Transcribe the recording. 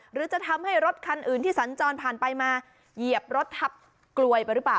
หรือจะทำให้รถคันอื่นที่สัญจรผ่านไปมาเหยียบรถทับกลวยไปหรือเปล่า